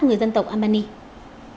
người dân tộc albania